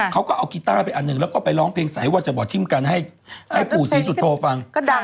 เขาก็เอากิตาร์ไปอันนึงไปร้องเพลงไฟว่าจะบ่อทิมกัณฑ์ให้อุศิสตูฟัง